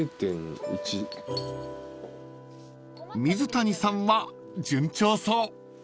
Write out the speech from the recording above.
［水谷さんは順調そう］